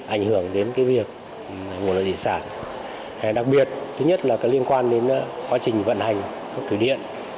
ảnh hưởng đến việc nguồn lợi thủy sản đặc biệt thứ nhất là liên quan đến quá trình vận hành các thủy điện